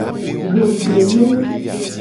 Zogbelo.